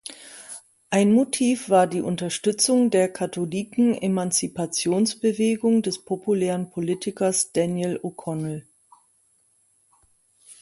Ein Motiv war die Unterstützung der Katholikenemanzipations-Bewegung des populären Politikers Daniel O’Connell.